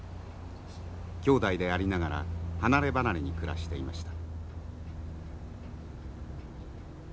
兄妹でありながら離れ離れに暮らしていました。